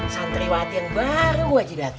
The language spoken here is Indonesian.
santri watih yang baru wajidatuh